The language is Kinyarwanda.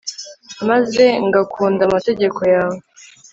maze ngakunda amategeko yawe